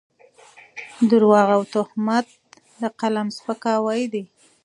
درواغ او تهمت د قلم سپکاوی دی.